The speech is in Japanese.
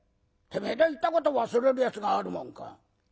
てめえで言ったこと忘れるやつがあるもんか。